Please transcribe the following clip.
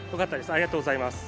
ありがとうございます。